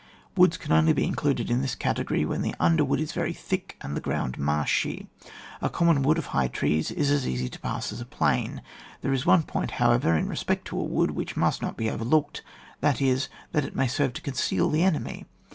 Woods can only be included in this category when the underwood is very thick and the ground marshy. A common wood of high trees is as easy to pass as a plain. There is one point, however, in respect to a wood which must not be overlooked, that is, that it, may serve to conceal the enemy.